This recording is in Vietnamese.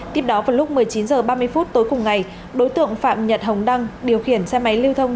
tiếp đó vào lúc một mươi chín h ba mươi phút tối cùng ngày đối tượng phạm nhật hồng đăng điều khiển xe máy lưu thông